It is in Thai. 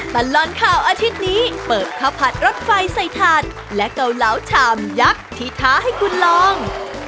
ตลอดข่าวอาทิตย์นี้เปิดข้าวผัดรถไฟใส่ถ่านและเกาเหลาชามยักษ์ที่ท้าให้คุณลอง